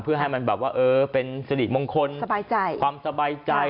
เพื่อให้มันเป็นสิริมงคลความสบายใจ